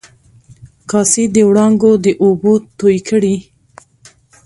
کاسي د و ړانګو د اوبو توی کړي